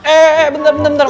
eh eh eh bentar bentar bentar